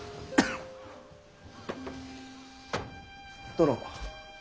殿。